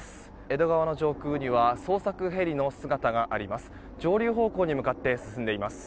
江戸川の上空には捜索ヘリの姿があります。